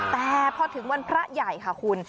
แต่พอถึงวันพระใหญ่ค่ะคุณ